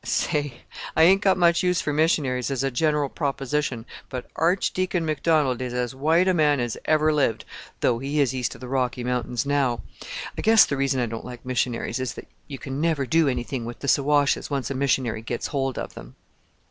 Say! I ain't got much use for missionaries as a general proposition, but Archdeacon Macdonald is as white a man as ever lived, though he is east of the Rocky Mountains now. I guess the reason I don't like missionaries is that you can never do anything with the Siwashes, once a missionary gets hold of them.